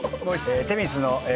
女神のえ。